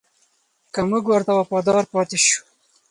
که موږ ورته وفادار پاتې شو.